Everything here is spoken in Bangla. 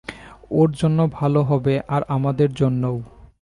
ওর জন্য ভালো হবে আর আমাদের জন্যও।